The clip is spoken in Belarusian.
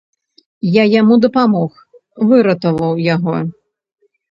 Я яму дапамог, выратаваў яго!